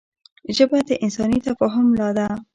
ژبه د انساني تفاهم ملا ده